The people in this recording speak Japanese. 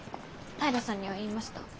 平さんには言いました。